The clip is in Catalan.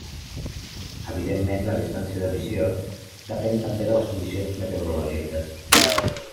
Evidentment, la distància de visió depèn també de les condicions meteorològiques.